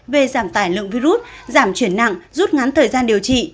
về giảm tải lượng virus giảm chuyển nặng rút ngắn thời gian điều trị